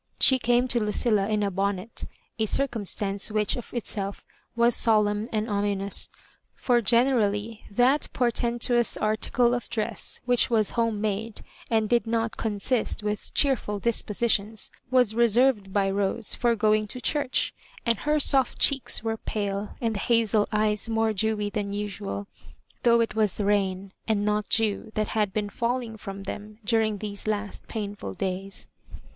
She came to Lucilla in a bonnet — a circumstance which of itself was solemn and ominous, for generally that portentous article of dress, which was home made and did not consist with cheerful dispositions, was reserved by Rose for going to church ; and her soft cheeks were pale, and the hazel eyes more dewy than usual, though it was rain, and not dew, that had been falling from them during those last painflil days.